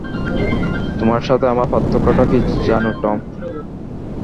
তোমার সাথে আমার পার্থক্যটা কী জানো টম?